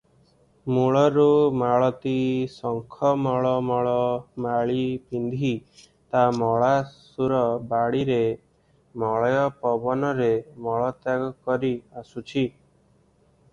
ମୂଳରୁ ମାଳତୀ ଶଙ୍ଖ ମଲ ମଲ ମାଳି ପିନ୍ଧି ତା ମଳାଶୁର ବାଡ଼ିରେ ମଳୟ ପବନରେ ମଳତ୍ୟାଗ କରିଆସୁଛି